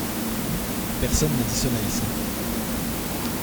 Personne n’a dit cela ici.